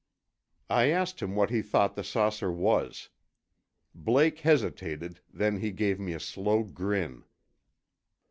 I asked him what he thought the saucer was. Blake hesitated, then he gave me a slow grin.